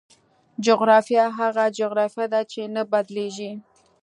جغرافیه هغه جغرافیه ده چې نه بدلېږي.